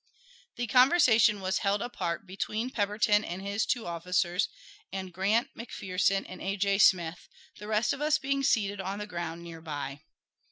The conversation was held apart between Pemberton and his two officers and Grant, McPherson, and A. J. Smith, the rest of us being seated on the ground near by.